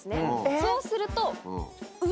そうすると。